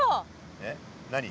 えっ何？